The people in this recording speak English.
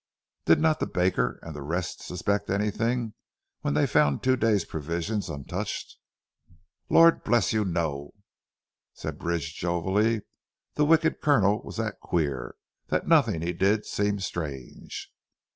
"Did not the baker and the rest suspect anything, when they found two day's provisions untouched?" "Lord bless you, no sir," said Bridge jovially. "The wicked Colonel was that queer, that nothing he did seemed strange."